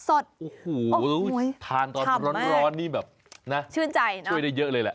โอ้โหทานตอนร้อนนี่แบบน่าชื่นใจนะช่วยได้เยอะเลยแหละ